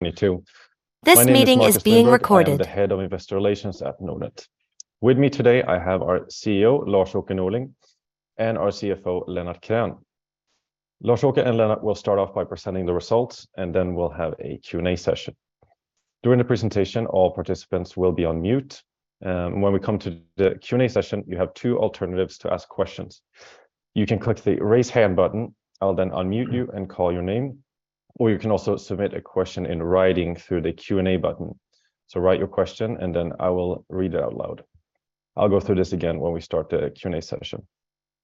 My name is Marcus Lindberg. I am the Head of Investor Relations at Nordnet. With me today, I have our CEO, Lars-Åke Norling, and our CFO, Lennart Krän. Lars-Åke and Lennart will start off by presenting the results. Then we'll have a Q&A session. During the presentation, all participants will be on mute. When we come to the Q&A session, you have two alternatives to ask questions. You can click the Raise Hand button. I'll then unmute you and call your name, or you can also submit a question in writing through the Q&A button. Write your question, then I will read it out loud. I'll go through this again when we start the Q&A session.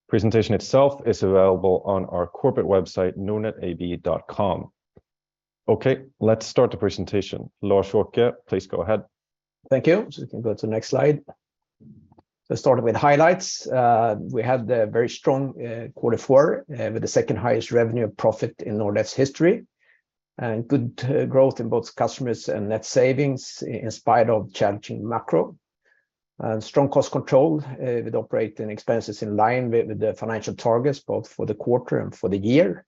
Presentation itself is available on our corporate website, nordnetab.com. Let's start the presentation. Lars-Åke, please go ahead. Thank you. We can go to the next slide. Let's start with highlights. We had a very strong Q4 with the second highest revenue profit in Nordnet's history, and good growth in both customers and net savings in spite of challenging macro. Strong cost control with operating expenses in line with the financial targets, both for the quarter and for the year.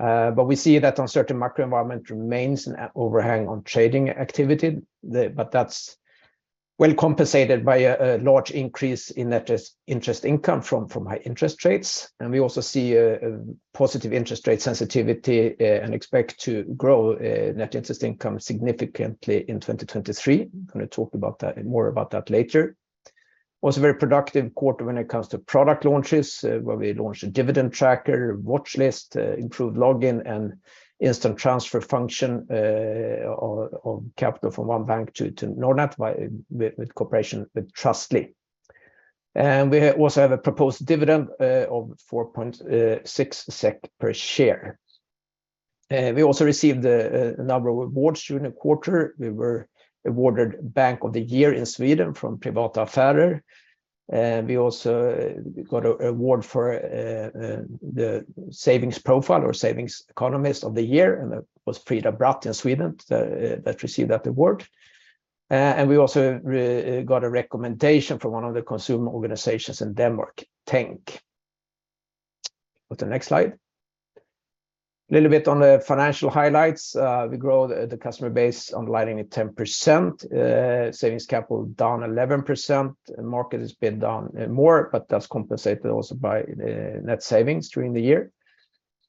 We see that uncertain macro environment remains an overhang on trading activity. That's well compensated by a large increase in net interest income from high interest rates. We also see a positive interest rate sensitivity and expect to grow net interest income significantly in 2023. More about that later. Was a very productive quarter when it comes to product launches, where we launched a dividend tracker, watchlist, improved login and instant transfer function of capital from one bank to Nordnet with cooperation with Trustly. We also have a proposed dividend of 4.6 SEK per share. We also received a number of awards during the quarter. We were awarded Bank of the Year in Sweden from Privata Affärer. We also got a award for the savings profile or savings economist of the year, and that was Frida Bratt in Sweden that received that award. We also got a recommendation from one of the consumer organizations in Denmark, Tænk. Go to the next slide. Little bit on the financial highlights. We grow the customer base underlying at 10%, savings capital down 11%. The market has been down, more, but that's compensated also by, net savings during the year.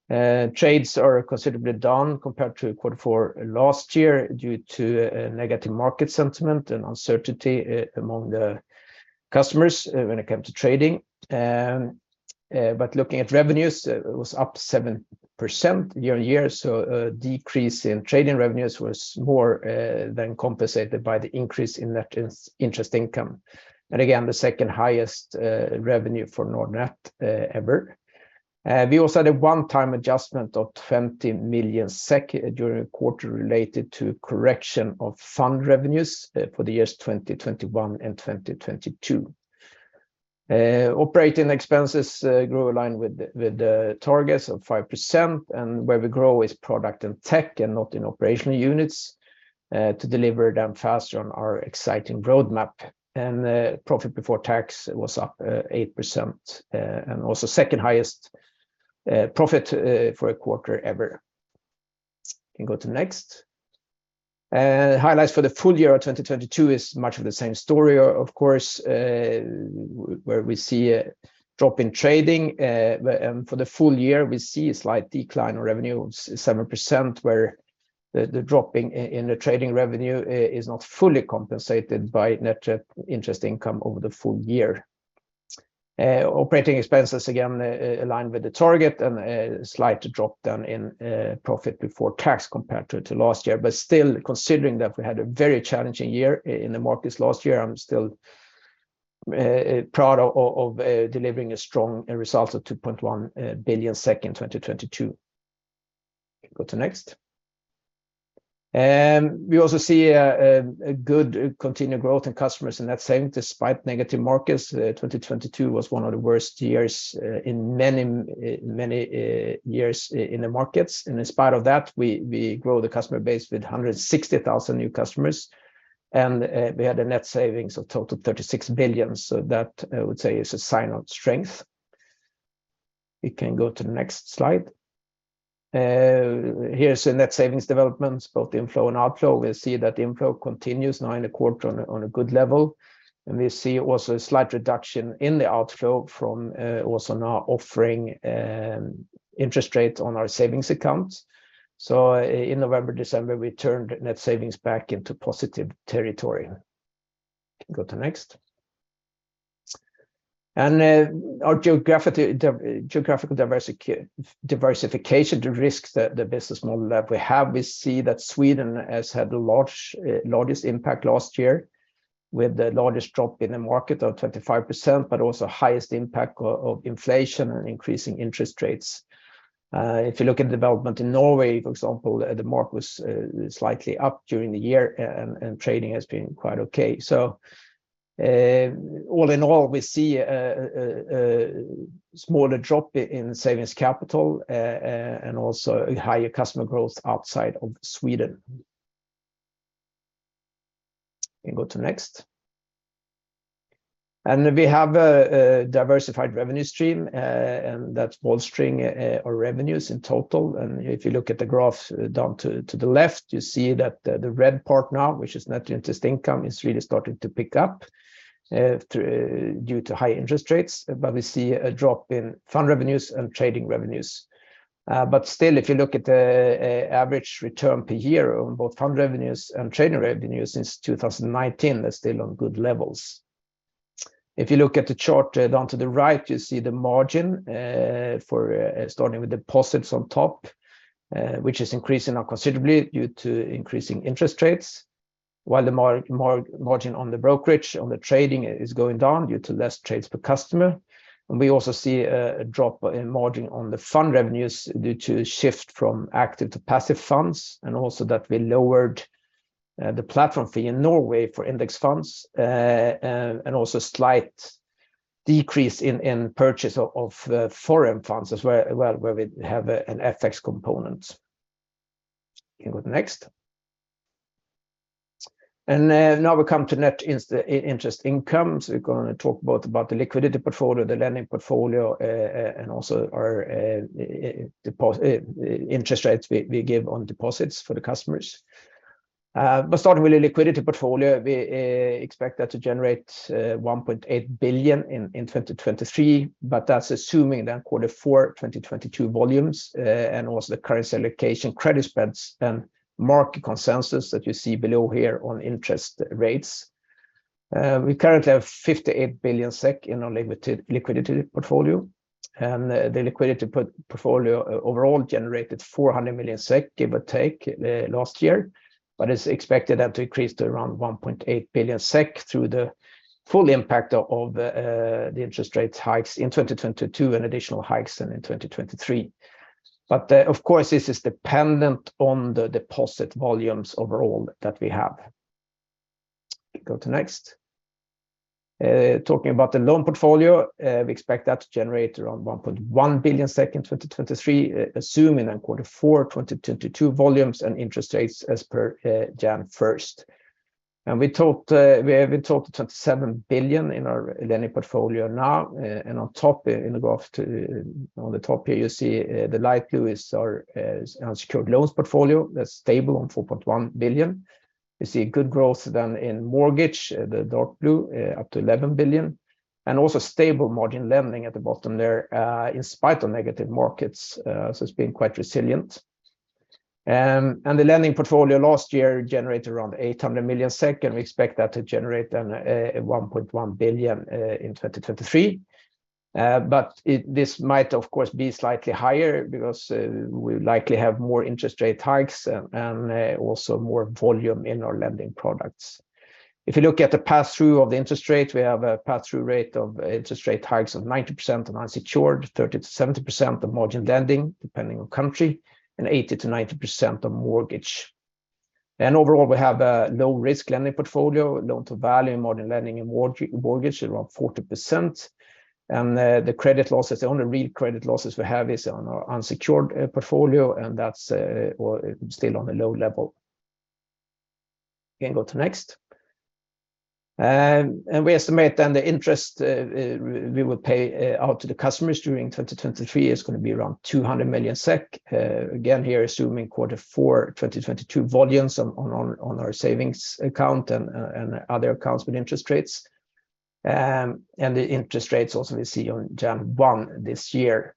Trades are considerably down compared to Q4 last year due to a negative market sentiment and uncertainty among the customers, when it comes to trading. Looking at revenues, it was up 7% YoY. A decrease in trading revenues was more than compensated by the increase in net interest income. Again, the second-highest revenue for Nordnet ever. We also had a one-time adjustment of 20 million SEK during the quarter related to correction of fund revenues for the years 2021 and 2022. Operating expenses grew in line with the targets of 5%, and where we grow is product and tech and not in operational units to deliver them faster on our exciting roadmap. Profit before tax was up 8% and also second highest profit for a quarter ever. Can go to next. Highlights for the full year of 2022 is much of the same story, of course, where we see a drop in trading. For the full year, we see a slight decline in revenue of 7%, where the dropping in the trading revenue is not fully compensated by net interest income over the full year. Operating expenses again aligned with the target and a slight drop down in profit before tax compared to last year. Still, considering that we had a very challenging year in the markets last year, I'm still proud of, delivering a strong result of 2.1 billion in 2022. Go to next. We also see a good continued growth in customers and net saving despite negative markets. 2022 was one of the worst years in many, many years in the markets. In spite of that, we grow the customer base with 160,000 new customers. We had a net savings of total 36 billion. That I would say is a sign of strength. We can go to the next slide. Here is the net savings developments, both inflow and outflow. We see that inflow continues now in the quarter on a good level. We see also a slight reduction in the outflow from also now offering interest rates on our savings accounts. In November, December, we turned net savings back into positive territory. Go to next. Our geographical diversification, the risk, the business model that we have, we see that Sweden has had the largest impact last year with the largest drop in the market of 25%, but also highest impact of inflation and increasing interest rates. If you look at development in Norway, for example, the mark was slightly up during the year and trading has been quite okay. All in all, we see a smaller drop in savings capital and also a higher customer growth outside of Sweden. Go to next. We have a diversified revenue stream, and that's bolstering our revenues in total. If you look at the graph down to the left, you see that the red part now, which is net interest income, is really starting to pick up due to high interest rates. We see a drop in fund revenues and trading revenues. Still, if you look at average return per year on both fund revenues and trading revenues since 2019, they're still on good levels. If you look at the chart down to the right, you see the margin for starting with deposits on top, which is increasing now considerably due to increasing interest rates, while the margin on the brokerage, on the trading is going down due to less trades per customer. We also see a drop in margin on the fund revenues due to a shift from active to passive funds, and also that we lowered the platform fee in Norway for index funds, and also slight decrease in purchase of foreign funds as well, where we have an FX component. You can go to next. Now we come to net interest incomes. We're gonna talk both about the liquidity portfolio, the lending portfolio, and also our interest rates we give on deposits for the customers. But starting with the liquidity portfolio, we expect that to generate 1.8 billion in 2023, but that's assuming that Q4 2022 volumes, and also the currency allocation, credit spreads, and market consensus that you see below here on interest rates. We currently have 58 billion SEK in our limited liquidity portfolio, and the liquidity portfolio overall generated 400 million SEK, give or take, last year. It's expected that increased to around 1.8 billion SEK through the full impact of the interest rates hikes in 2022 and additional hikes in 2023. Of course, this is dependent on the deposit volumes overall that we have. Go to next. Talking about the loan portfolio, we expect that to generate around 1.1 billion in 2023, assuming in Q4 2022 volumes and interest rates as per 1 stJanuary. We have in total 27 billion in our lending portfolio now. On the top here, you see the light blue is our secured loans portfolio. That's stable on 4.1 billion. You see a good growth than in mortgage, the dark blue, up to 11 billion, and also stable margin lending at the bottom there, in spite of negative markets. It's been quite resilient. The lending portfolio last year generated around 800 million SEK, and we expect that to generate 1.1 billion in 2023. This might, of course, be slightly higher because we likely have more interest rate hikes and also more volume in our lending products. If you look at the pass-through of the interest rate, we have a pass-through rate of interest rate hikes of 90% on unsecured, 30% to 70% on margin lending, depending on country, and 80% to 90% on mortgage. Overall, we have a low-risk lending portfolio, loan-to-value margin lending and mortgage around 40%. The credit losses, the only real credit losses we have is on our unsecured portfolio, and that's still on a low level. You can go to next. We estimate then the interest we will pay out to the customers during 2023 is gonna be around 200 million SEK, again, here assuming Q4 2022 volumes on our savings account and other accounts with interest rates. The interest rates also we see on 1 January this year.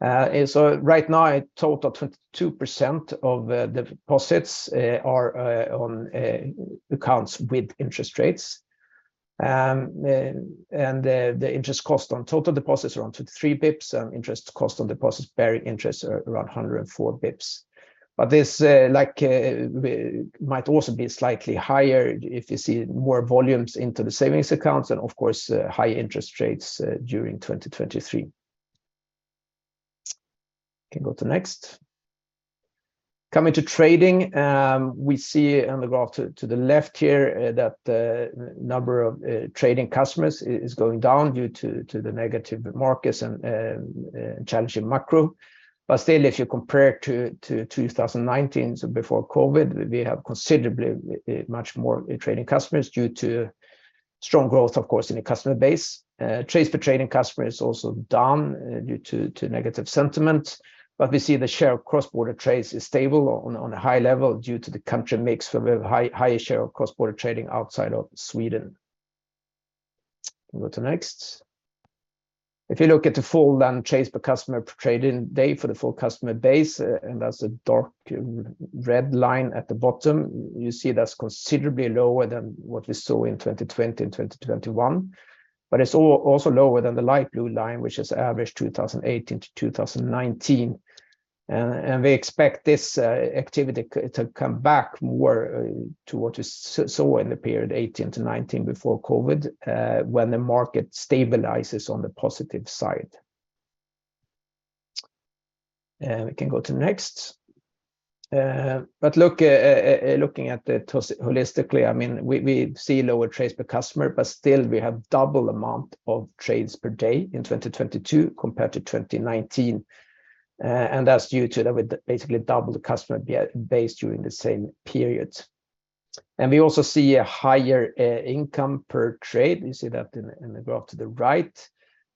Right now, a total of 22% of deposits are on accounts with interest rates. The interest cost on total deposits are around two to three bps, and interest cost on deposits bearing interest are around 104 bps. This might also be slightly higher if you see more volumes into the savings accounts and of course, high interest rates during 2023. Can go to next. Coming to trading, we see on the graph to the left here that the number of trading customers is going down due to the negative markets and challenging macro. Still, if you compare to 2019, so before COVID, we have considerably much more trading customers due to strong growth, of course, in the customer base. Trades per trading customer is also down due to negative sentiment. We see the share of cross-border trades is stable on a high level due to the country mix with a higher share of cross-border trading outside of Sweden. Go to next. If you look at the full then trades per customer per trading day for the full customer base, and that's the dark red line at the bottom, you see that's considerably lower than what we saw in 2020 and 2021, but it's also lower than the light blue line, which is average 2018 to 2019. We expect this activity to come back more to what we saw in the period 18 to 19 before COVID, when the market stabilizes on the positive side. We can go to next. Looking at it holistically, I mean, we see lower trades per customer, but still we have double amount of trades per day in 2022 compared to 2019. That's due to basically double the customer base during the same periods. We also see a higher income per trade. You see that in the graph to the right.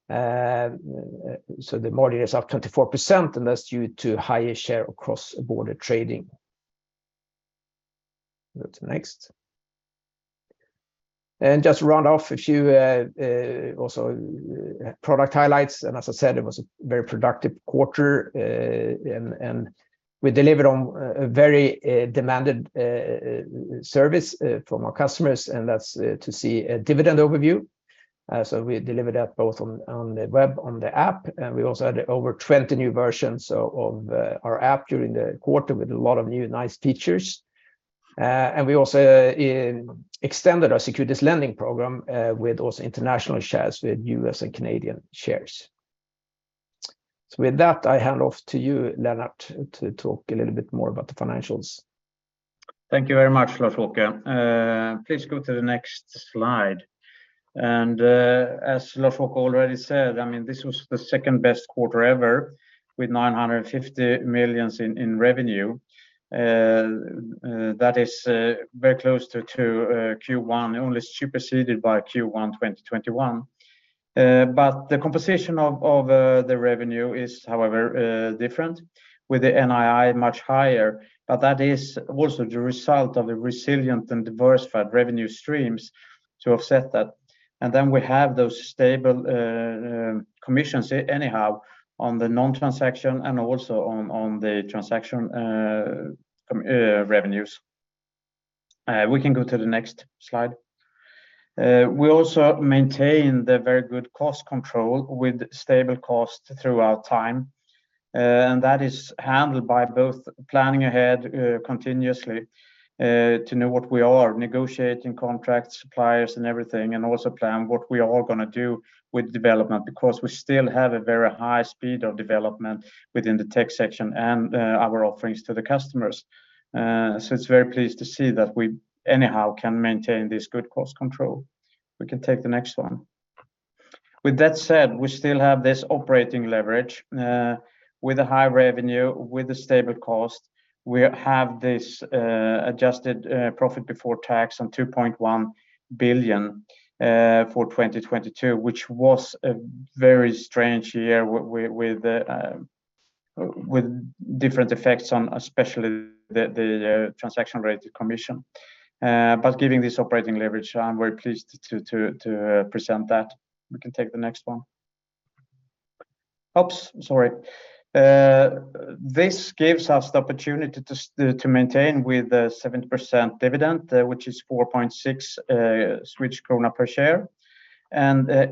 The margin is up 24% and that's due to higher share across border trading. Go to next. Just round off a few also product highlights. As I said, it was a very productive quarter. And we delivered on a very demanded service from our customers, and that's to see a dividend overview. We delivered that both on the web, on the app. We also had over 20 new versions of our app during the quarter with a lot of new nice features. We also extended our Securities Lending Program with also international shares with U.S. and Canadian shares. With that, I hand off to you Lennart to talk a little bit more about the financials. Thank you very much Lars-Åke. Please go to the next slide. As Lars-Åke already said, I mean this was the second-best quarter ever with 950 million in revenue. That is very close to Q1, only superseded by Q1, 2021. The composition of the revenue is however different with the NII much higher. That is also the result of a resilient and diversified revenue streams to offset that. We have those stable commissions anyhow on the non-transaction and also on the transaction revenues. We can go to the next slide. We also maintain the very good cost control with stable cost throughout time. That is handled by both planning ahead, continuously, to know what we are negotiating contracts, suppliers and everything, and also plan what we are gonna do with development, because we still have a very high speed of development within the tech section and our offerings to the customers. It's very pleased to see that we anyhow can maintain this good cost control. We can take the next one. With that said, we still have this operating leverage, with a high revenue, with a stable cost. We have this, adjusted, profit before tax on 2.1 billion, for 2022, which was a very strange year with different effects on especially the transaction rate commission. Giving this operating leverage, I'm very pleased to present that. We can take the next one. Oops, sorry. This gives us the opportunity to maintain with a 7% dividend, which is 4.6 krona per share.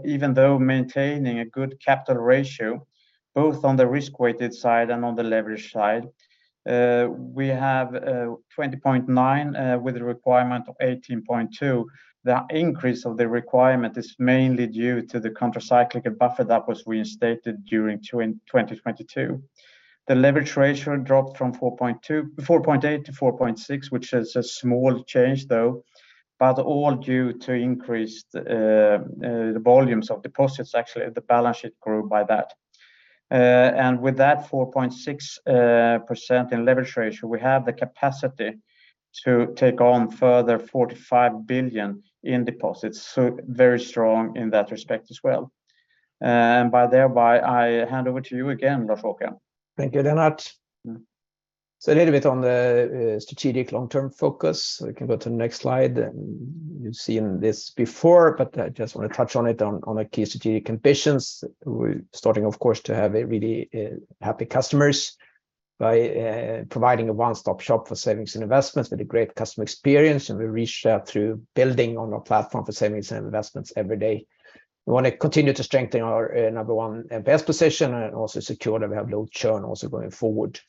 Even though maintaining a good capital ratio both on the risk-weighted side and on the leverage side, we have 20.9 with a requirement of 18.2. The increase of the requirement is mainly due to the countercyclical buffer that was reinstated during 2022. The leverage ratio dropped from 4.8 to 4.6, which is a small change though, but all due to increased the volumes of deposits actually the balance sheet grew by that. With that 4.6% in leverage ratio, we have the capacity to take on further 45 billion in deposits, so very strong in that respect as well. By thereby, I hand over to you again Lars-Åke. Thank you Lennart. A little bit on the strategic long term focus. We can go to the next slide. You've seen this before, I just wanna touch on it on a key strategic ambitions. We're starting of course to have a really happy customers by providing a one-stop shop for savings and investments with a great customer experience. We reach out through building on our platform for savings and investments every day. We wanna continue to strengthen our number one best position and also secure that we have low churn also going forward.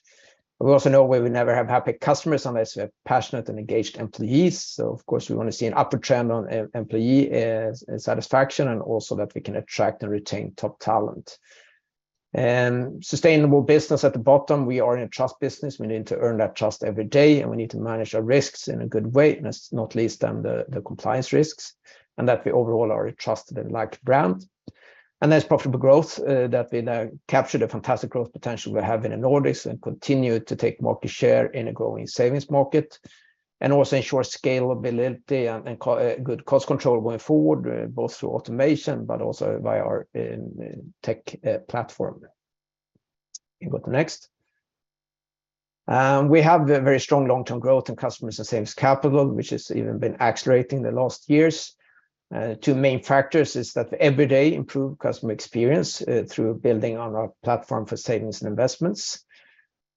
We also know we will never have happy customers unless we have passionate and engaged employees. Of course, we wanna see an upward trend on e-employee satisfaction and also that we can attract and retain top talent. Sustainable business at the bottom. We are a trust business. We need to earn that trust every day, and we need to manage our risks in a good way, not least on the compliance risks, and that we overall are a trusted and liked brand. There's profitable growth that we now capture the fantastic growth potential we have in Nordics and continue to take market share in a growing savings market. Also ensure scalability and good cost control going forward, both through automation but also by our tech platform. We go to next. We have a very strong long-term growth in customers and savings capital, which has even been accelerating the last years. Two main factors is that every day improve customer experience through building on our platform for savings and investments.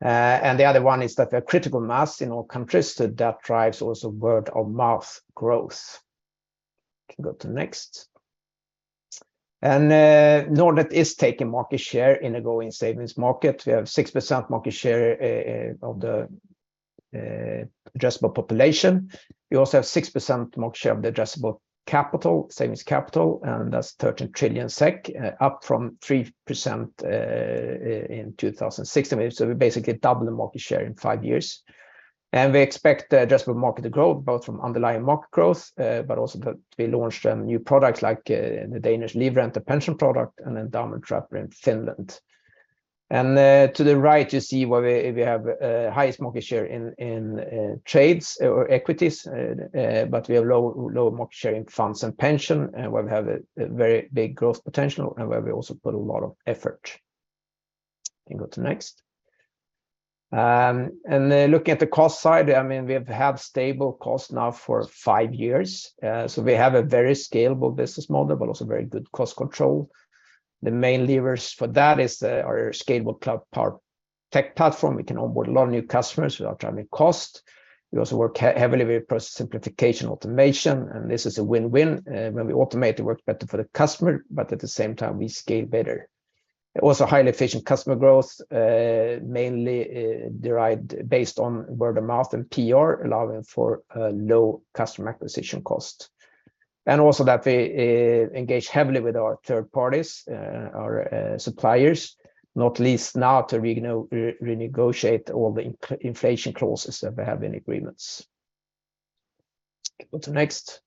The other one is that the critical mass in all countries that drives also word of mouth growth. Can go to next. Nordnet is taking market share in a growing savings market. We have 6% market share of the addressable population. We also have 6% market share of the addressable capital, savings capital, and that's 13 trillion SEK up from 3% in 2016. We basically double the market share in five years. We expect the addressable market to grow both from underlying market growth, but also to be launched on new products like the Danish Livrente pension product and endowment wrapper in Finland. To the right you see where we have highest market share in trades or equities. We have low market share in funds and pension, and where we have a very big growth potential and where we also put a lot of effort. You can go to next. Looking at the cost side, I mean, we have had stable costs now for five years. We have a very scalable business model, but also very good cost control. The main levers for that is our scalable cloud power tech platform. We can onboard a lot of new customers without driving cost. We also work heavily with process simplification automation, and this is a win-win. When we automate it works better for the customer, but at the same time we scale better. Also, highly efficient customer growth, mainly derived based on word of mouth and PR, allowing for low customer acquisition cost. Also that we engage heavily with our third parties, our suppliers, not least now to renegotiate all the inflation clauses that we have in agreements. Go to next.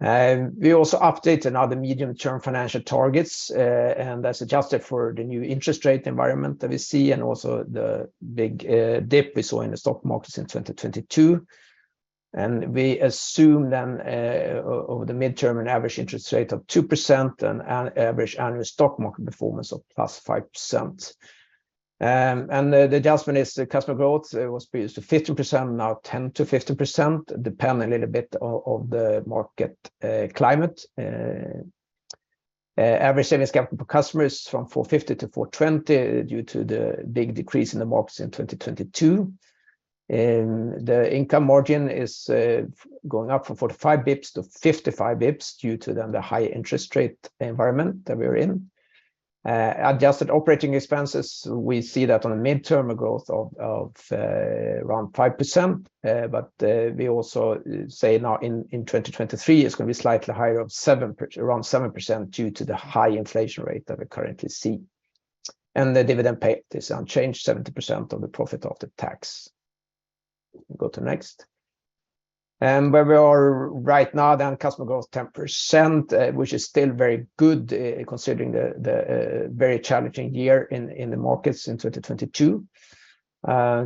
We also update another medium term financial targets, and that's adjusted for the new interest rate environment that we see and also the big dip we saw in the stock markets in 2022. We assume then over the midterm an average interest rate of 2% and an average annual stock market performance of +5%. The adjustment is the customer growth was boosted 15%, now 10% to 15%, depend a little bit on the market climate, average savings capital per customers from 450 to 420 due to the big decrease in the markets in 2022. The income margin is going up from 45 bps to 55 bps due to then the high interest rate environment that we are in. Adjusted operating expenses, we see that on a midterm a growth of around 5%, but we also say now in 2023 it's going to be slightly higher of around 7% due to the high inflation rate that we currently see. The dividend pay is unchanged, 70% of the profit after tax. Go to next. Where we are right now, then customer growth 10%, which is still very good, considering the very challenging year in the markets in 2022.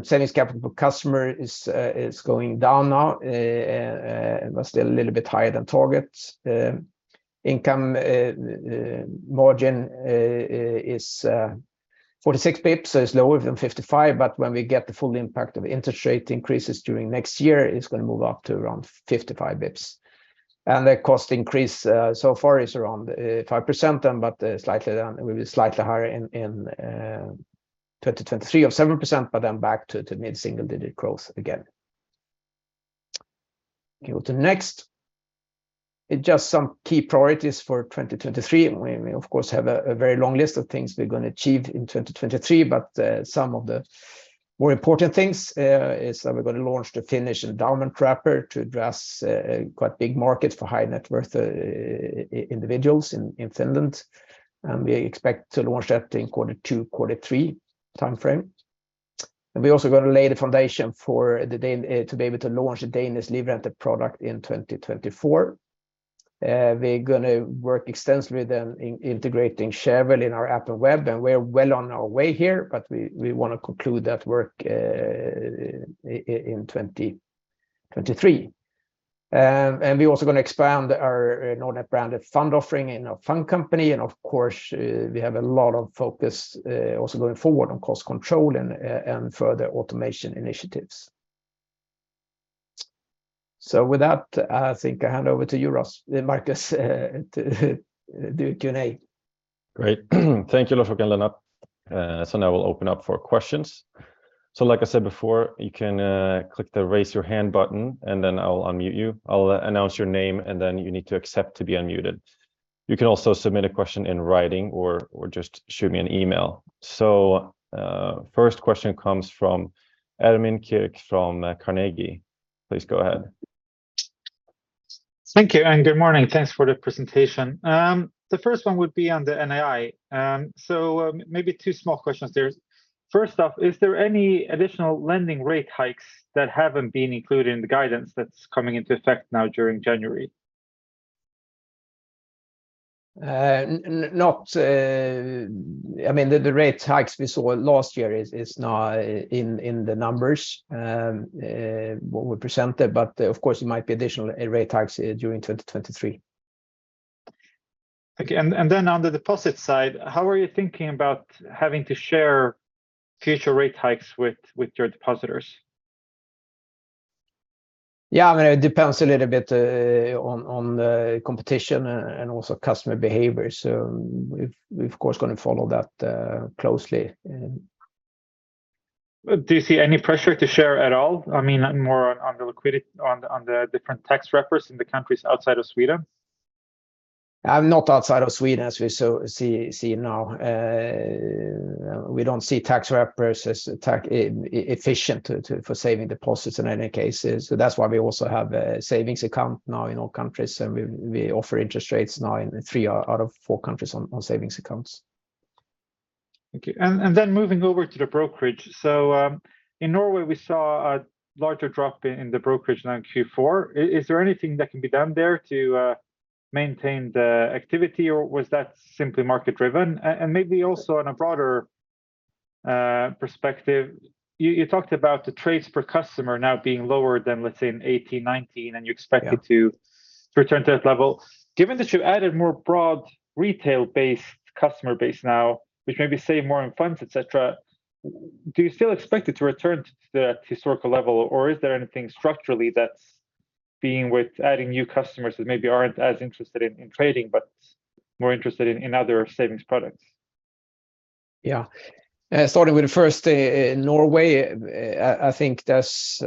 Savings capital per customer is going down now, but still a little bit higher than targets. Income margin is bps, so it's lower than 55, but when we get the full impact of interest rate increases during next year, it's gonna move up to around 55 bps. The cost increase so far is around 5%, but slightly down, it will be slightly higher in 2023 of 7%, but then back to mid-single digit growth again. Can go to next. It just some key priorities for 2023. We of course have a very long list of things we're gonna achieve in 2023, but some of the more important things is that we're gonna launch the Finnish endowment wrapper to address a quite big market for high net worth individuals in Finland. We expect to launch that in Q2, Q3 timeframe. We also gonna lay the foundation to be able to launch a Danish livrente product in 2024. We're gonna work extensively then in integrating Shareville in our app and web, and we're well on our way here, but we wanna conclude that work in 2023. We're also gonna expand our Nordnet branded fund offering in our fund company, and of course, we have a lot of focus also going forward on cost control and further automation initiatives. With that, I think I hand over to you, Ross, Marcus, to do Q&A. Great. Thank you, Lars-Åke and Lennart. Now we'll open up for questions. Like I said before, you can click the Raise Your Hand button, and then I'll unmute you. I'll announce your name, and then you need to accept to be unmuted. You can also submit a question in writing or just shoot me an email. First question comes from Ermin Keric from Carnegie. Please go ahead. Thank you, and good morning. Thanks for the presentation. The first one would be on the NII. So, maybe two small questions there. First off, is there any additional lending rate hikes that haven't been included in the guidance that's coming into effect now during January? Not. I mean, the rate hikes we saw last year is now in the numbers, what we presented, but of course there might be additional rate hikes during 2023. Okay. Then on the deposit side, how are you thinking about having to share future rate hikes with your depositors? I mean, it depends a little bit on the competition and also customer behavior. We've of course gonna follow that closely. Do you see any pressure to share at all? I mean, more on the liquidity on the different tax wrappers in the countries outside of Sweden? Not outside of Sweden as we so see now. We don't see tax wrappers as tax efficient to for saving deposits in any cases. That's why we also have a savings account now in all countries, and we offer interest rates now in three out of four countries on savings accounts. Then moving over to the brokerage. In Norway we saw a larger drop in the brokerage now in Q4. Is there anything that can be done there to? Maintained activity or was that simply market-driven? Maybe also on a broader perspective, you talked about the trades per customer now being lower than, let's say, in 2018, 2019. Yeah You expect it to return to that level. Given that you've added more broad retail-based customer base now, which maybe save more in funds, et cetera, do you still expect it to return to that historical level? Or is there anything structurally that's being with adding new customers that maybe aren't as interested in trading, but more interested in other savings products? Yeah. Starting with the first, in Norway, I think that's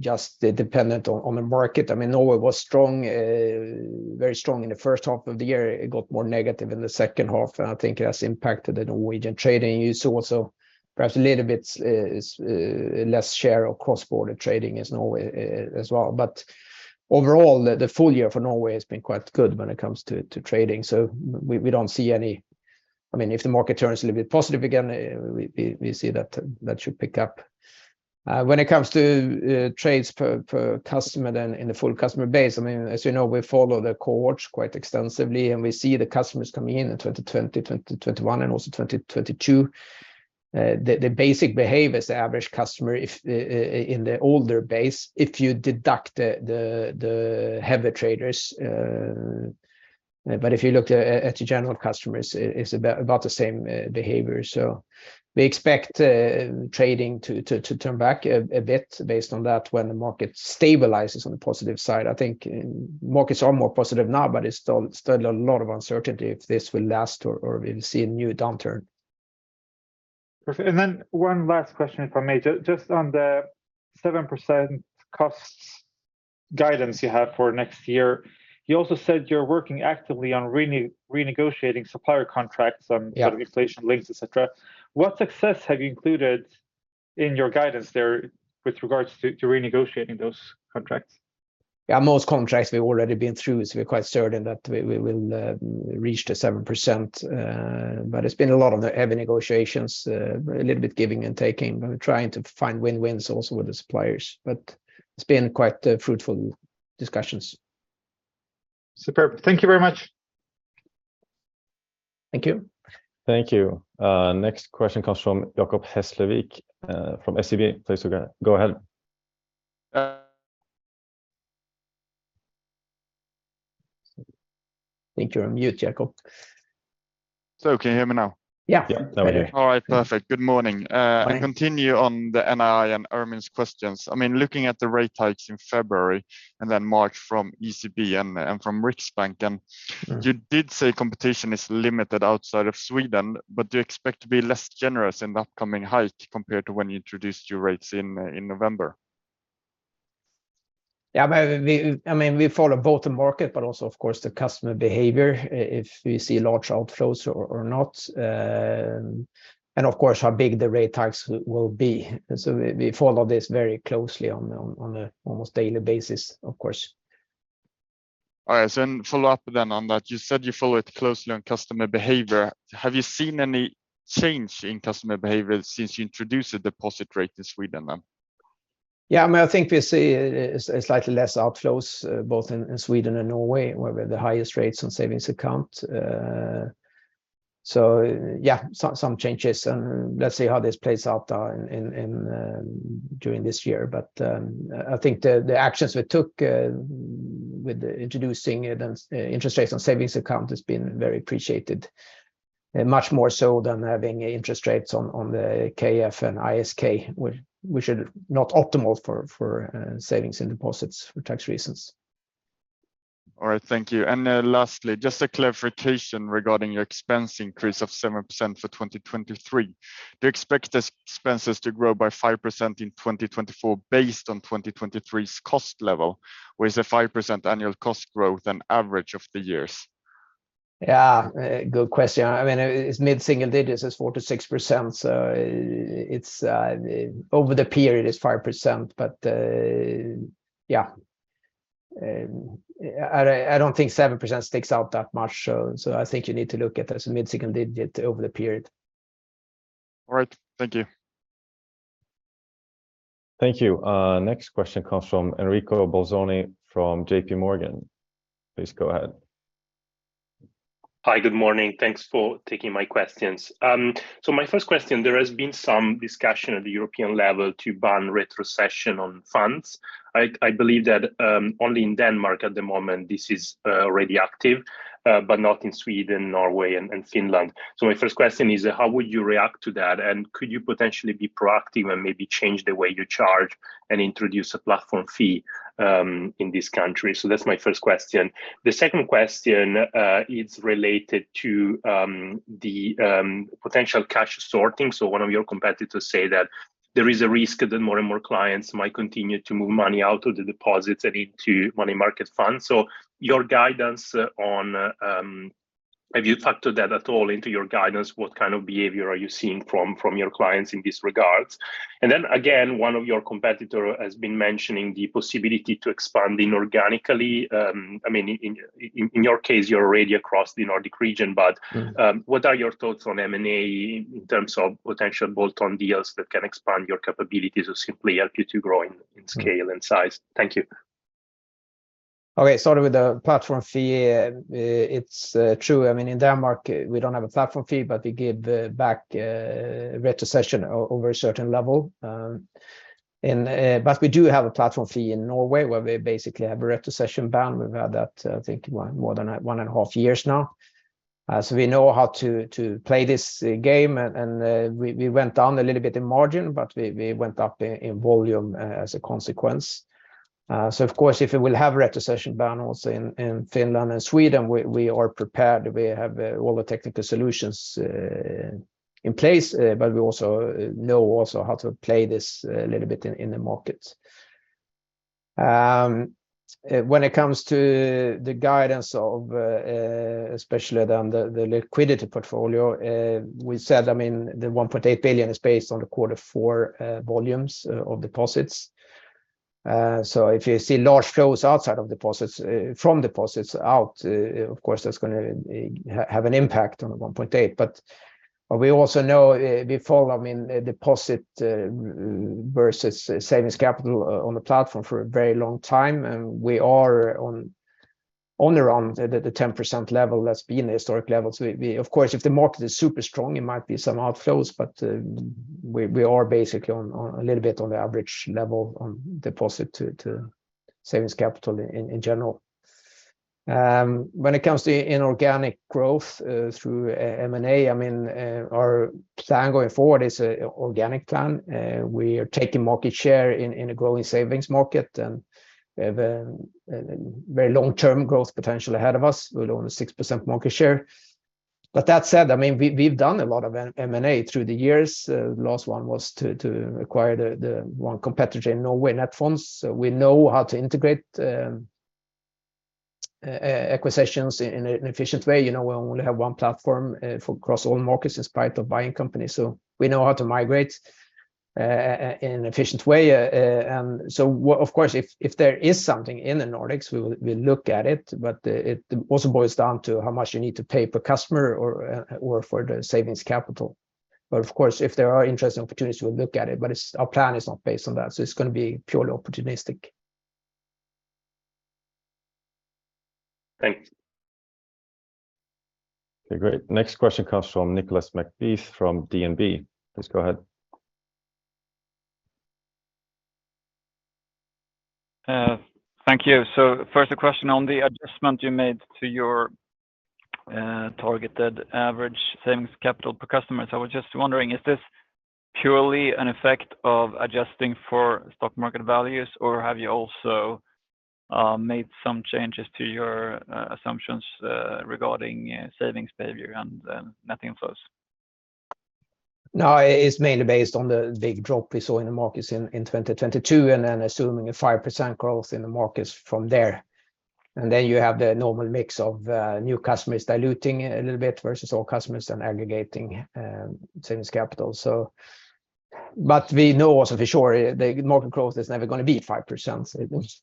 just dependent on the market. I mean, Norway was strong, very strong in the first half of the year. It got more negative in the second half, and I think it has impacted the Norwegian trading. You saw also perhaps a little bit, is less share of cross-border trading as Norway as well. Overall, the full year for Norway has been quite good when it comes to trading. I mean, if the market turns a little bit positive again, we see that should pick up. When it comes to trades per customer in the full customer base, I mean, as you know, we follow the cohorts quite extensively, and we see the customers coming in in 2020, 2021, and also 2022. The basic behaviors, the average customer if in the older base, if you deduct the heavier traders. If you look at the general customers, it's about the same behavior. We expect trading to turn back a bit based on that when the market stabilizes on the positive side. I think markets are more positive now, but it's still a lot of uncertainty if this will last or we'll see a new downturn. Perfect. Then one last question if I may. Just on the 7% costs guidance you have for next year. You also said you're working actively on renegotiationing supplier contracts. Yeah... sort of inflation links, et cetera. What success have you included in your guidance there with regards to renegotiating those contracts? Most contracts we've already been through, we're quite certain that we will reach the 7%. It's been a lot of heavy negotiations, a little bit giving and taking. We're trying to find win-wins also with the suppliers. It's been quite fruitful discussions. Superb. Thank you very much. Thank you. Thank you. Next question comes from Jakob Hellström, from SEB. Please go ahead. I think you're on mute, Jakob. Can you hear me now? Yeah. Yeah. Now we hear you. All right. Perfect. Good morning. Hi. I continue on the NII and Ermin's questions. Looking at the rate hikes in February and then March from ECB and from Riksbank, you did say competition is limited outside of Sweden, but do you expect to be less generous in the upcoming hike compared to when you introduced your rates in November? I mean, we follow both the market, but also, of course, the customer behavior if we see large outflows or not, and of course, how big the rate hikes will be. We follow this very closely on a almost daily basis, of course. All right. Follow up then on that. You said you follow it closely on customer behavior. Have you seen any change in customer behavior since you introduced the deposit rate in Sweden then? I mean, I think we see a slightly less outflows, both in Sweden and Norway, where we have the highest rates on savings account. Yeah, some changes, and let's see how this plays out during this year. I think the actions we took with introducing it and interest rates on savings account has been very appreciated, much more so than having interest rates on the KF and ISK, which are not optimal for savings and deposits for tax reasons. All right. Thank you. Lastly, just a clarification regarding your expense increase of 7% for 2023. Do you expect expenses to grow by 5% in 2024 based on 2023's cost level? Or is the 5% annual cost growth an average of the years? Yeah. Good question. I mean, it's mid-single digits. It's 4% to 6%. It's over the period it's 5%. I don't think 7% sticks out that much. I think you need to look at as mid-single digit over the period. All right. Thank you. Thank you. Next question comes from Enrico Bolzoni from JPMorgan. Please go ahead. Hi, good morning. Thanks for taking my questions. My first question, there has been some discussion at the European level to ban retrocession on funds. I believe that only in Denmark at the moment this is already active, but not in Sweden, Norway and Finland. My first question is how would you react to that? Could you potentially be proactive and maybe change the way you charge and introduce a platform fee in this country? That's my first question. The second question is related to the potential cash sorting. One of your competitors say that there is a risk that more and more clients might continue to move money out of the deposits and into money market funds. Your guidance on, have you factored that at all into your guidance? What kind of behavior are you seeing from your clients in this regards? Then again, one of your competitor has been mentioning the possibility to expand inorganically. I mean, in your case, you're already across the Nordic region, but what are your thoughts on M&A in terms of potential bolt-on deals that can expand your capabilities or simply help you to grow in scale and size? Thank you. Okay, starting with the platform fee, it's true. I mean, in Denmark we don't have a platform fee, but we give back retrocession over a certain level, but we do have a platform fee in Norway where we basically have a retrocession ban. We've had that I think more than one and a half years now. We know how to play this game and we went down a little bit in margin, but we went up in volume as a consequence. Of course if it will have retrocession ban also in Finland and Sweden, we are prepared. We have all the technical solutions in place, but we also know also how to play this a little bit in the markets. When it comes to the guidance of, especially on the liquidity portfolio, we said, I mean, the 1.8 billion is based on the Q4 volumes of deposits. If you see large flows outside of deposits, from deposits out, of course, that's gonna have an impact on the 1.8. We also know before, I mean, deposit versus savings capital on the platform for a very long time, and we are on around the 10% level that's been the historic level. We, of course, if the market is super strong, it might be some outflows, but, we are basically on a little bit on the average level on deposit to savings capital in general. When it comes to inorganic growth, through M&A, I mean, our plan going forward is organic plan. We are taking market share in a growing savings market, and we have a very long term growth potential ahead of us with only 6% market share. That said, I mean, we've done a lot of M&A through the years. Last one was to acquire the one competitor in Norway, Netfonds. We know how to integrate acquisitions in an efficient way. You know, we only have one platform for across all markets in spite of buying companies, so we know how to migrate in efficient way. Of course, if there is something in the Nordics, we look at it, but it also boils down to how much you need to pay per customer or for the savings capital. Of course, if there are interesting opportunities, we'll look at it, but our plan is not based on that, so it's gonna be purely opportunistic. Thanks. Okay, great. Next question comes from Nicolas McBeath from DNB. Please go ahead. Thank you. First a question on the adjustment you made to your targeted average savings capital per customer. I was just wondering, is this purely an effect of adjusting for stock market values, or have you also made some changes to your assumptions regarding savings behavior and net inflows? No, it's mainly based on the big drop we saw in the markets in 2022, and then assuming a 5% growth in the markets from there. You have the normal mix of new customers diluting a little bit versus all customers and aggregating savings capital. We know also for sure the market growth is never gonna be 5%.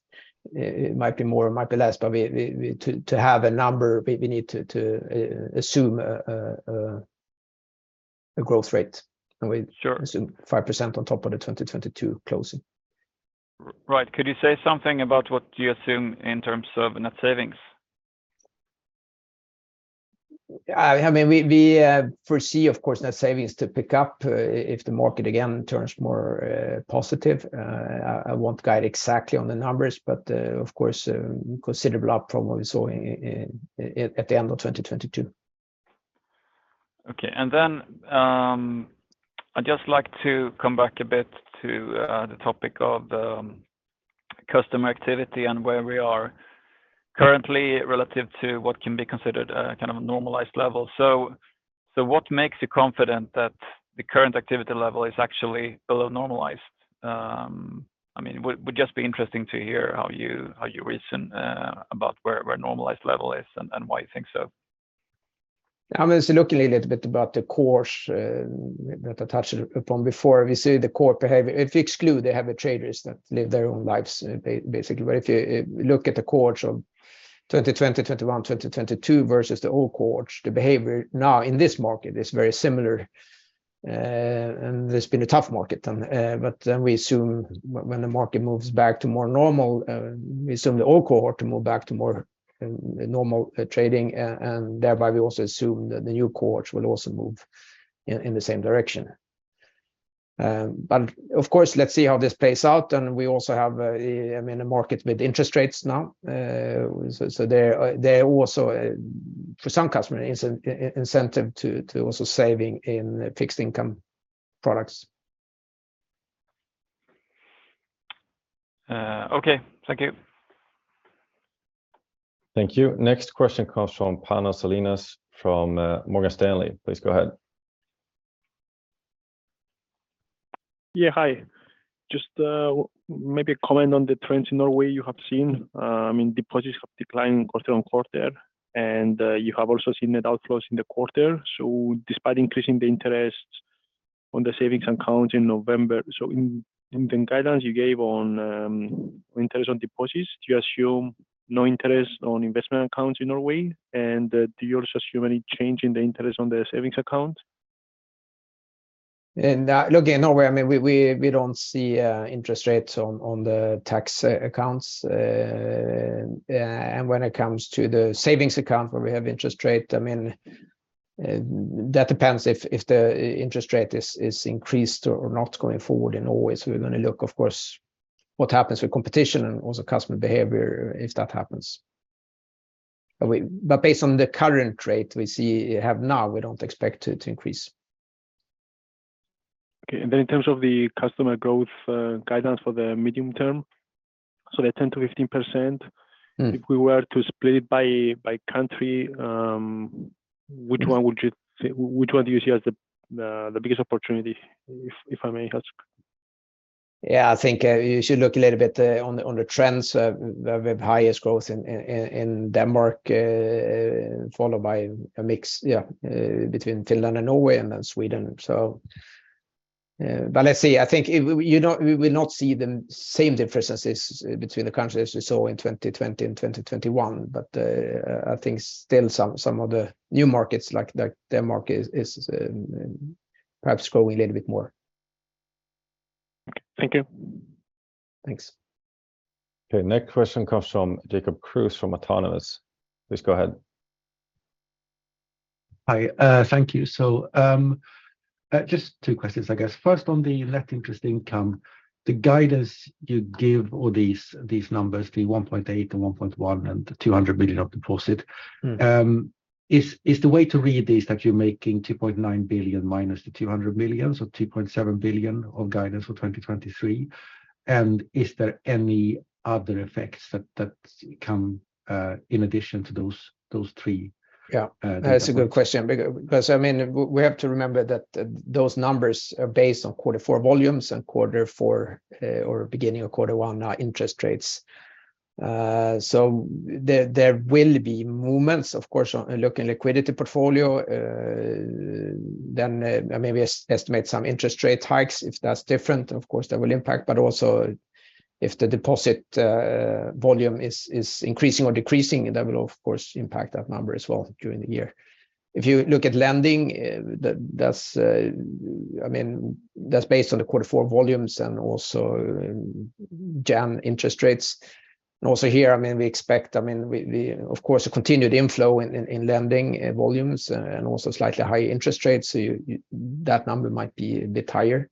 It might be more, it might be less. We to have a number, we need to assume a growth rate, and we assume 5% on top of the 2022 closing. Could you say something about what you assume in terms of net savings? I mean, we foresee of course, net savings to pick up if the market again turns more positive. I won't guide exactly on the numbers, but of course, considerable up from what we saw at the end of 2022. Okay. Then, I'd just like to come back a bit to the topic of the customer activity and where we are currently relative to what can be considered a kind of a normalized level. What makes you confident that the current activity level is actually below normalized? I mean, would just be interesting to hear how you reason about where normalized level is and why you think so. I'm just looking a little bit about the course that I touched upon before. We see the core behavior. If you exclude, they have traders that live their own lives basically. If you look at the course of 2020, 2021, 2022 versus the old course, the behavior now in this market is very similar. There's been a tough market, we assume when the market moves back to more normal, we assume the old cohort to move back to more normal trading, and thereby we also assume that the new cohort will also move in the same direction. Of course, let's see how this plays out. We also have, I mean, a market with interest rates now. There, there also for some customer is an incentive to also saving in fixed income products. Okay. Thank you. Thank you. Next question comes from Piero Novello from Morgan Stanley. Please go ahead. Yeah, hi. Just maybe comment on the trends in Norway you have seen. I mean, deposits have declined quarter on quarter, you have also seen net outflows in the quarter. Despite increasing the interest on the savings account in November, so in the guidance you gave on interest on deposits, do you assume no interest on investment accounts in Norway? Do you assume any change in the interest on the savings account? Look, in Norway, I mean, we don't see interest rates on the tax accounts. When it comes to the savings account where we have interest rate, I mean, that depends if the interest rate is increased or not going forward. In Norway we're gonna look, of course, what happens with competition and also customer behavior if that happens. Based on the current rate we have now, we don't expect it to increase. Okay. Then in terms of the customer growth, guidance for the medium term, the 10% to 15%- Mm. If we were to split it by country, Which one do you see as the biggest opportunity, if I may ask? I think you should look a little bit on the trends. We have highest growth in Denmark, followed by a mix, yeah, between Finland and Norway and then Sweden. Let's see. You know, we will not see the same differences between the countries as we saw in 2020 and 2021, I think still some of the new markets like the Denmark is perhaps growing a little bit more. Thank you. Thanks. Okay. Next question comes from Jakob Kruse from Autonomous. Please go ahead. Hi. Thank you. Just two questions, I guess. First, on the net interest income, the guidance you give all these numbers, the 1.8, the 1.1, and the 200 billion. Mm. Is the way to read these that you're making 2.9 billion minus 200 billion, so 2.7 billion of guidance for 2023? Is there any other effects that come in addition to those three? Yeah. development. That's a good question because, I mean, we have to remember that those numbers are based on Q4 volumes and Q4, or beginning of quarter one, interest rates. There will be movements, of course, on. Look, in liquidity portfolio, then maybe estimate some interest rate hikes. If that's different, of course, that will impact. Also if the deposit volume is increasing or decreasing, that will of course impact that number as well during the year. If you look at lending, that's, I mean, that's based on the Q4 volumes and also Jan interest rates. Also here, I mean, we expect, I mean, we, of course, a continued inflow in lending volumes and also slightly higher interest rates. You, that number might be a bit higher.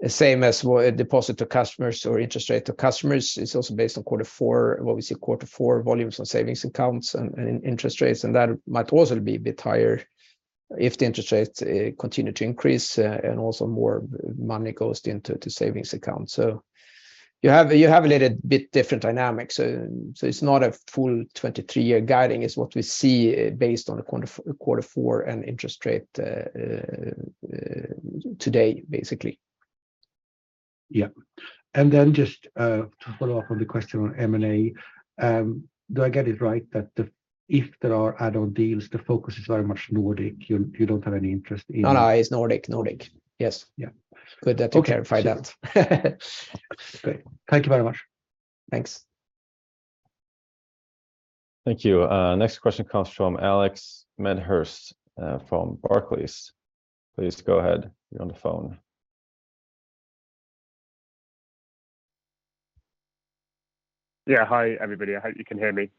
The same as deposit to customers or interest rate to customers is also based on Q4, what we see Q4 volumes on savings accounts and interest rates, and that might also be a bit higher if the interest rates continue to increase, and also more money goes into savings accounts. You have a little bit different dynamics. It's not a full 23-year guiding. It's what we see based on the Q4 and interest rate today, basically. Yeah. Then just to follow up on the question on M&A, do I get it right that if there are add-on deals, the focus is very much Nordic? You don't have any interest in- No, no. It's Nordic. Nordic. Yes. Yeah. Good that you clarified that. Okay. Great. Thank you very much. Thanks. Thank you. Next question comes from Alex Medhurst, from Barclays. Please go ahead. You're on the phone. Hi, everybody. I hope you can hear me.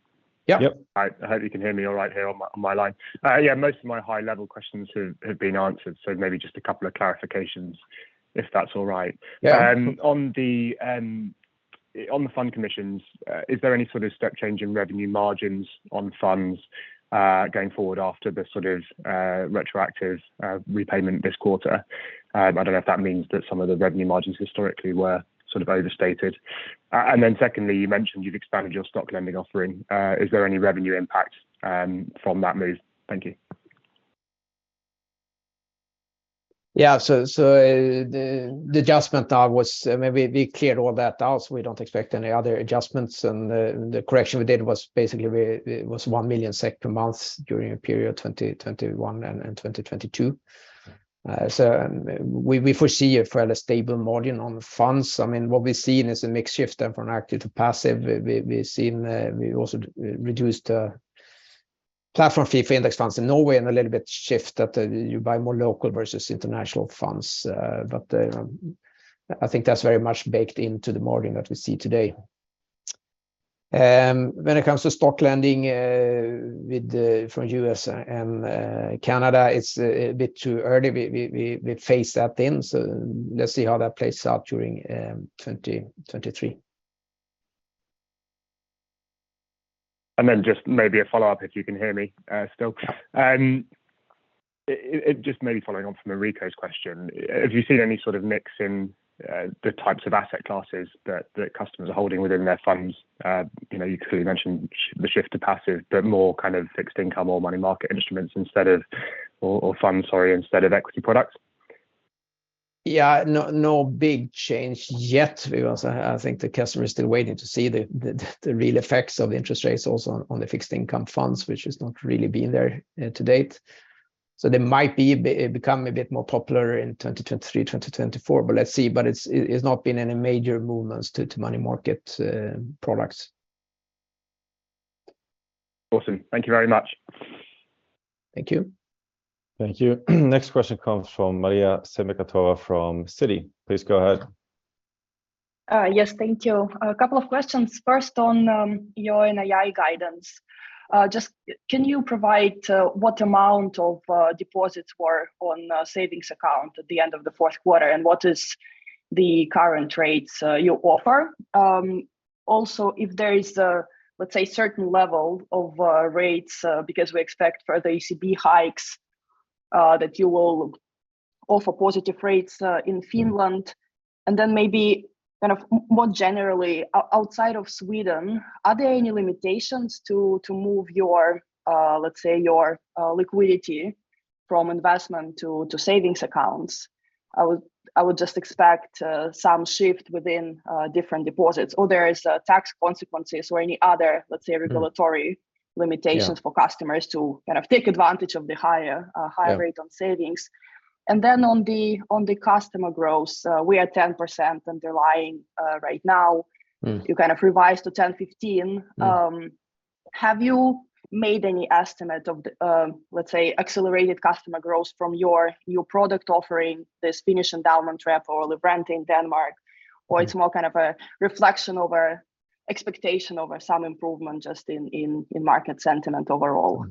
Yeah. Yep. I hope you can hear me all right here on my line. Yeah, most of my high-level questions have been answered, maybe just a couple of clarifications, if that's all right. Yeah. On the fund commissions, is there any sort of step change in revenue margins on funds going forward after the sort of retroactive repayment this quarter? I don't know if that means that some of the revenue margins historically were sort of overstated. Secondly, you mentioned you've expanded your stock lending offering. Is there any revenue impact from that move? Thank you. Yeah. The adjustment now was maybe we cleared all that out. We don't expect any other adjustments. The correction we did was basically it was 1 million sector months during the period 2021 and 2022. We foresee a fairly stable margin on the funds. I mean, what we've seen is a mix shift then from active to passive. We've seen we also reduced platform fee for index funds in Norway and a little bit shift that you buy more local versus international funds. I think that's very much baked into the margin that we see today. When it comes to stock lending from U.S. and Canada, it's a bit too early. We phased that in, so let's see how that plays out during 2023. Just maybe a follow-up, if you can hear me, still. It just maybe following on from Enrico's question. Have you seen any sort of mix in the types of asset classes that customers are holding within their funds? You know, you clearly mentioned the shift to passive, but more kind of fixed income or money market instruments instead of or funds, sorry, instead of equity products? No, no big change yet. I think the customer is still waiting to see the, the real effects of interest rates also on the fixed income funds, which has not really been there to date. They might become a bit more popular in 2023 and 2024. Let's see. It's not been any major movements to money market products. Awesome. Thank you very much. Thank you. Thank you. Next question comes from Maria Semikhatova from Citi. Please go ahead. Yes. Thank you. A couple of questions. First, on your NII guidance, just can you provide what amount of deposits were on a savings account at the end of the fourth quarter and what is the current rates you offer? Also if there is a, let's say, certain level of rates, because we expect further ECB hikes, that you will offer positive rates in Finland. Maybe kind of more generally, outside of Sweden, are there any limitations to move your, let's say your liquidity from investment to savings accounts? I would just expect some shift within different deposits, or there is tax consequences or any other, let's say- Mm-hmm... regulatory limitations. Yeah For customers to kind of take advantage of the higher Yeah... on savings. On the customer growth, we are 10% underlying right now. Mm. You kind of revised to 10, 15. Have you made any estimate of the, let's say, accelerated customer growth from your new product offering, this Finnish endowment wrap or livrente in Denmark, or is it more kind of a reflection over expectation over some improvement just in market sentiment overall?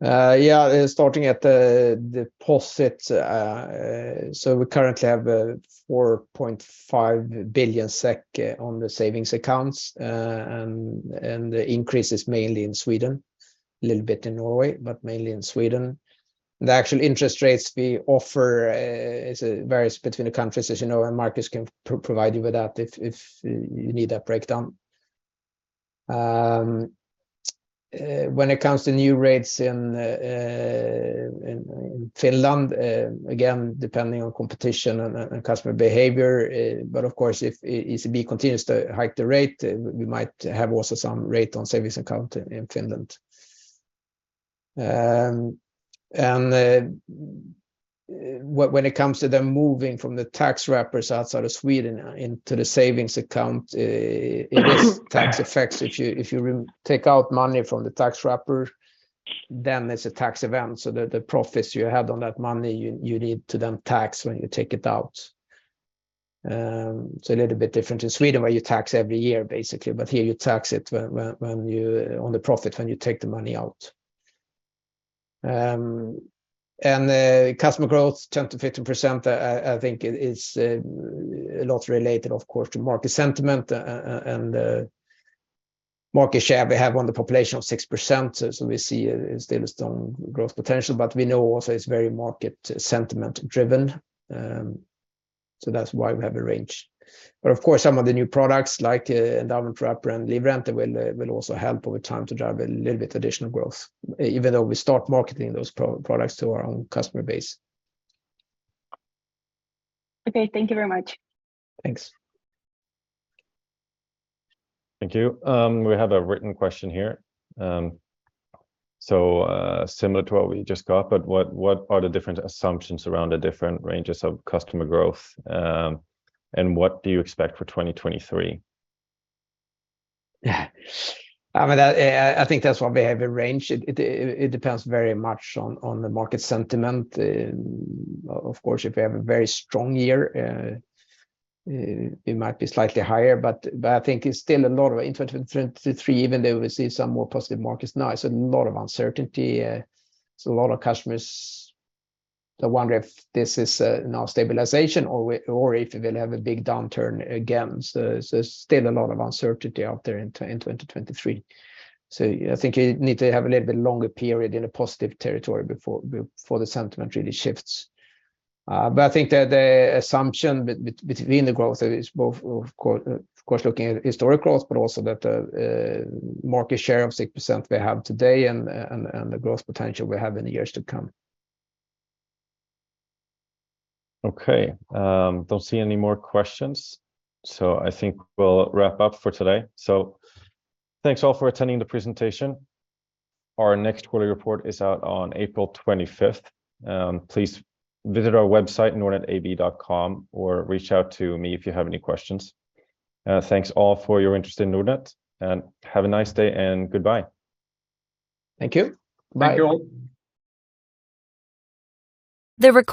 Yeah, starting at the deposits, we currently have 4.5 billion SEK on the savings accounts, and the increase is mainly in Sweden, little bit in Norway, but mainly in Sweden. The actual interest rates we offer varies between the countries, as you know, and Marcus can provide you with that if you need that breakdown. When it comes to new rates in Finland, again, depending on competition and customer behavior, of course if ECB continues to hike the rate, we might have also some rate on savings account in Finland. When it comes to the moving from the tax wrappers outside of Sweden into the savings account, tax effects. If you re-take out money from the tax wrapper, then there's a tax event, so the profits you had on that money, you need to then tax when you take it out. It's a little bit different in Sweden, where you tax every year basically, but here you tax it when you, on the profit when you take the money out. Customer growth, 10% to 15%, I think is a lot related of course to market sentiment and market share. We have on the population of 6%, so we see still a strong growth potential, but we know also it's very market sentiment driven. That's why we have a range. Of course some of the new products, like, endowment wrap and livrente will also help over time to drive a little bit additional growth even though we start marketing those products to our own customer base. Okay. Thank you very much. Thanks. Thank you. We have a written question here. Similar to what we just got, what are the different assumptions around the different ranges of customer growth? What do you expect for 2023? Yeah. I mean, I think that's why we have a range. It, it depends very much on the market sentiment. Of course, if we have a very strong year, it might be slightly higher, but I think it's still a lot of. In 2023, even though we see some more positive markets now, it's a lot of uncertainty. A lot of customers are wondering if this is now stabilization or if we'll have a big downturn again. There's still a lot of uncertainty out there in 2023. I think you need to have a little bit longer period in a positive territory before the sentiment really shifts. I think the assumption between the growth is both of course, of course looking at historic growth, but also that, market share of 6% we have today and the growth potential we have in the years to come. Okay. Don't see any more questions, I think we'll wrap up for today. Thanks, all, for attending the presentation. Our next quarter report is out on 25 April. Please visit our website, nordnetab.com, or reach out to me if you have any questions. Thanks, all, for your interest in Nordnet and have a nice day and goodbye. Thank you. Bye. Thank you, all.